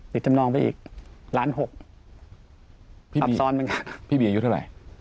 ติดจำนองไปอีกล้านหกปรับซ้อนมันครับพี่บีอายุเท่าไร